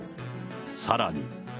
さらに。